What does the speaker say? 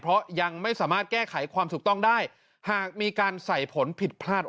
เพราะยังไม่สามารถแก้ไขความถูกต้องได้หากมีการใส่ผลผิดพลาด